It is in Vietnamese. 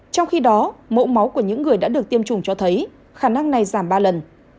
trong khi đó mẫu máu của những người đã được tiêm chủng cho thấy khả năng này giảm ba lần